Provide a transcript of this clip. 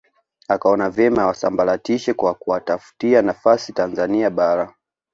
Akaona vyema awasambaratishe kwa kuwatafutia nafasi Tanzania Bara